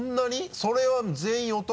それは全員男？